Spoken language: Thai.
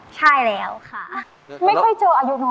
ใช่แล้วค่ะ